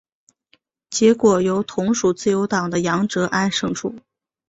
结果由同属自由党的杨哲安胜出。